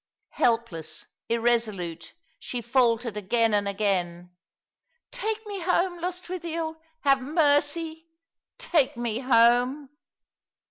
Help less, irresolute, she faltered again and again. "Take ma home, Lostwithiel I Have mercy ! Take me home."